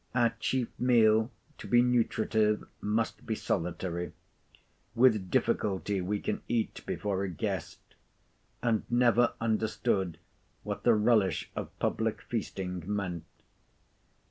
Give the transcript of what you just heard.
Our chief meal, to be nutritive, must be solitary. With difficulty we can eat before a guest; and never understood what the relish of public feasting meant.